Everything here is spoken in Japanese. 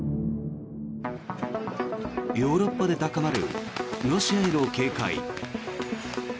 ヨーロッパで高まるロシアへの警戒。